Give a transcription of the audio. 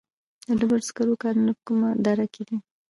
د ډبرو سکرو کانونه په کومه دره کې دي؟